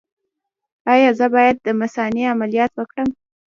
ایا زه باید د مثانې عملیات وکړم؟